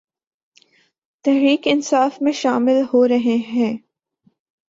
تحریک انصاف میں شامل ہورہےہیں